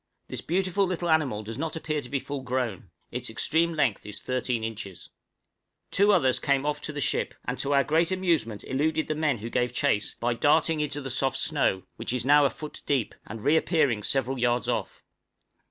This beautiful little animal does not appear to be full grown; its extreme length is 13 inches. Two others came off to the ship, and to our great amusement eluded the men who gave chase, by darting into the soft snow which is now a foot deep and re appearing several yards off.